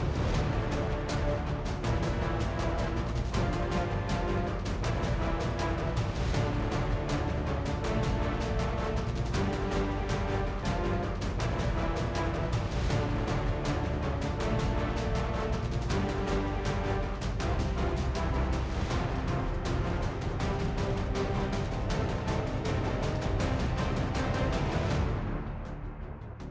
จริงจริงจริงจริง